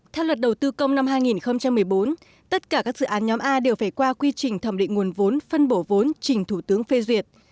theo luật đầu tư công năm hai nghìn một mươi bốn tất cả các dự án nhóm a đều phải qua quy trình thẩm định nguồn vốn phân bổ vốn trình thủ tướng phê duyệt